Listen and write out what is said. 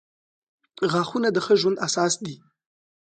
• غاښونه د ښه ژوند اساس دي.